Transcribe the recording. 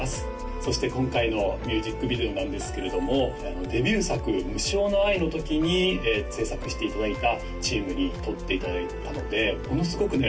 そして今回のミュージックビデオなんですけれどもデビュー作「無償の愛」のときに制作していただいたチームに撮っていただいたのでものすごくね